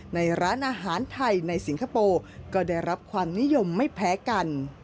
ในร้านอาหารไทยในสิงคโปร์ก็ได้รับความนิยมไม่แพ้กัน